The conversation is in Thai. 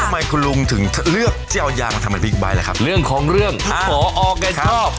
มันหรือยังงั้นต้องยาวอย่างทำให้บิ๊กไบท์ละครับตามผู้หญิงของของภอรกัยชอบ